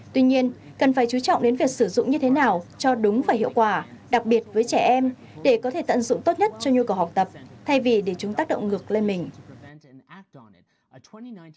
tuy nhiên cần phải chú trọng đến việc sử dụng như thế nào cho đúng và hiệu quả đặc biệt với trẻ em để có thể tận dụng tốt nhất cho nhu cầu học tập thay vì để chúng tác động ngược lên mình